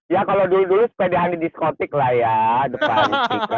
ya kalau dulu dulu sepedahan diskotik lah ya depan